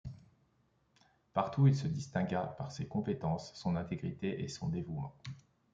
Partout il se distingua par ses compétences, son intégrité et son dévouement.